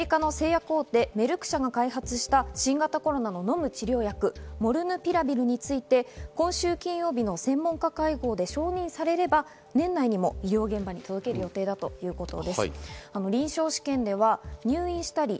アメリカの製薬大手メルク社が開発した新型コロナの飲む治療薬・モヌルピラビルについて今週金曜日の専門家会合で承認されれば、年内にも医療現場に届ける予定だということです。